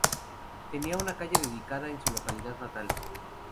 Tiene una calle dedicada en su localidad natal.